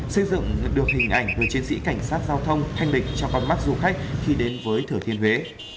xây dựng được hình ảnh người chiến sĩ cảnh sát giao thông thanh định cho con mắt du khách khi đến với thừa thiên huế